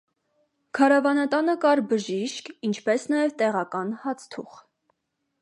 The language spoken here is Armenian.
Քարավանատանը կար բժիշկ, ինչպես նաև տեղական հացթուխ։